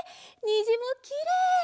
にじもきれい！